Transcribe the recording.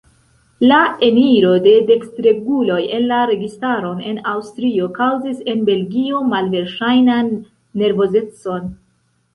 La eniro de dekstreguloj en la registaron en Aŭstrio kaŭzis en Belgio malverŝajnan nervozecon.